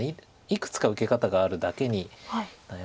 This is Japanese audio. いくつか受け方があるだけに悩ましいです。